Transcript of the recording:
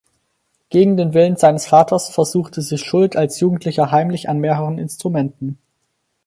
Gegen den Willen seines Vaters versuchte sich Schuldt als Jugendlicher heimlich an mehreren Instrumenten.